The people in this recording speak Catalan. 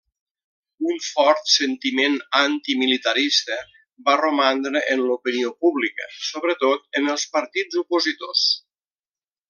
Un fort sentiment antimilitarista va romandre en l'opinió pública, sobretot en els partits opositors.